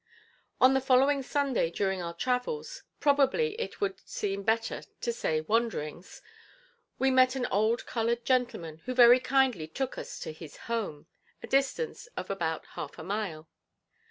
On the following Sunday during our travels, probably it would seem better to say wanderings, we met an old colored gentleman who very kindly took us to his home, a distance of about half a mile.